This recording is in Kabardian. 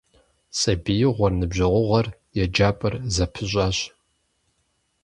Сабиигъуэр, ныбжьэгъугъэр, еджапӀэр зэпыщӀащ.